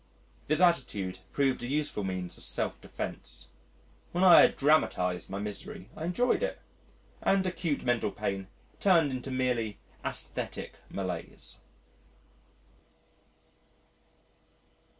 This attitude proved a useful means of self defence. When I had dramatised my misery, I enjoyed it, and acute mental pain turned into merely aesthetic malaise.